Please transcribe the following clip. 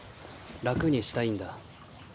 楽にしたいんだ。